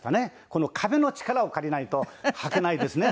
この壁の力を借りないとはけないですね